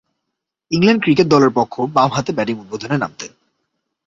England cricket দলের পক্ষ বামহাতে ব্যাটিং উদ্বোধনে নামতেন।